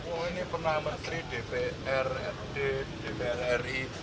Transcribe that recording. oh ini pernah menteri dprrd dprri